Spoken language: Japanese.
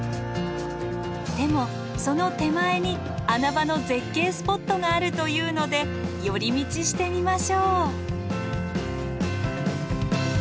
でもその手前に穴場の絶景スポットがあるというので寄り道してみましょう。